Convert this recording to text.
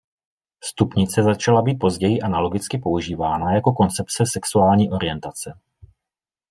Stupnice začala být později analogicky používána jako koncepce sexuální orientace.